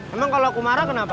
emang kalau aku marah kenapa